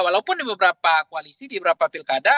walaupun di beberapa koalisi di beberapa pilkada